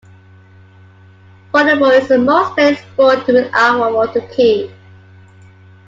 Volleyball is the most played sport within Ahwatukee.